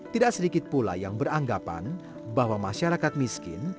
tidak sedikit pula yang beranggapan bahwa masyarakat miskin